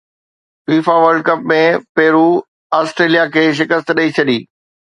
FIFA World Cup ۾ Peru Australia کي شڪست ڏئي ڇڏي